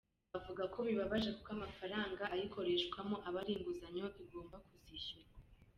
Avuga ko bibabaje kuko amafaranga ayikoreshwamo aba ari inguzanyo igomba kuzishyurwa.